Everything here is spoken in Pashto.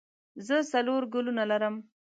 زه څلور ګلونه لرم.